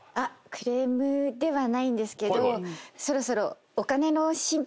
クレームではないんですけどそろそろ。